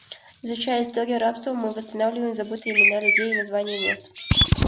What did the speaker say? Изучая историю рабства, мы восстанавливаем забытые имена людей и названия мест.